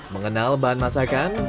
mengenal bahan masakan